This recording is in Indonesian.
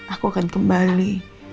aku akan kembali